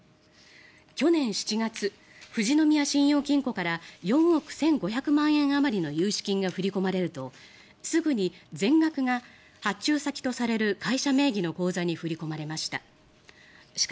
去年７月、富士宮信用金庫から４億１５００万円あまりの融資金が振り込まれるとすぐに全額が発注先とされる会社名義の口座に振り込まれました。